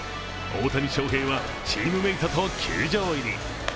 大谷翔平はチームメイトと球場入り。